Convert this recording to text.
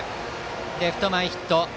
レフト前ヒット。